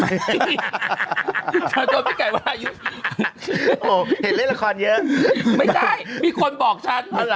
ไม่ได้มีคนบอกฉัน